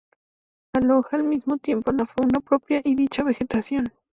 Aloja al mismo tiempo la fauna propia a dicha vegetación.